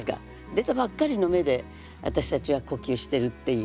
出たばっかりの芽で私たちは呼吸してるっていう。